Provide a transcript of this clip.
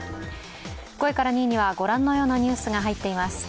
５位から２位にはご覧のようなニュースに入っています。